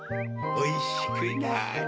おいしくなれ。